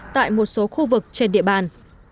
tại một số khu vực trên địa bàn